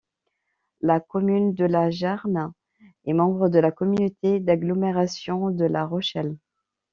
La commune de La Jarne est membre de la communauté d'agglomération de La Rochelle.